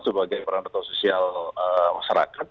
sebagai peran atau sosial masyarakat